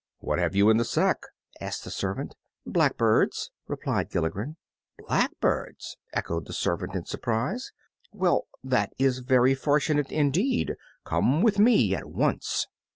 "What have you in the sack?" asked the servant. "Blackbirds," replied Gilligren. "Blackbirds!" echoed the servant, in surprise, "well, that is very fortunate indeed. Come with me at once!"